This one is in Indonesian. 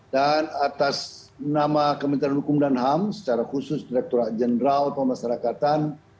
dan atas nama kementerian hukum dan ham secara khusus direkturat jenderal pemasarakatan